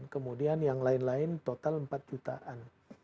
kemudian yang lain lain total empat jutaan